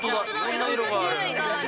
いろんな色がある。